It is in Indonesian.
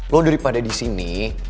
lo daripada disini